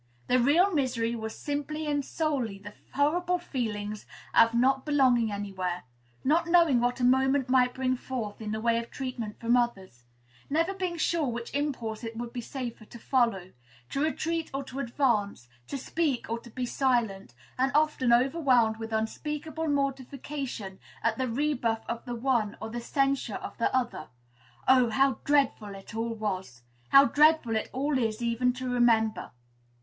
The real misery was simply and solely the horrible feeling of not belonging anywhere; not knowing what a moment might bring forth in the way of treatment from others; never being sure which impulse it would be safer to follow, to retreat or to advance, to speak or to be silent, and often overwhelmed with unspeakable mortification at the rebuff of the one or the censure of the other. Oh! how dreadful it all was! How dreadful it all is, even to remember!